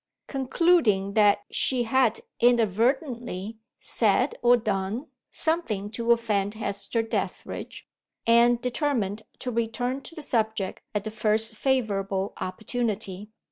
Concluding that she had inadvertently said, or done, something to offend Hester Dethridge, Anne determined to return to the subject at the first favorable opportunity.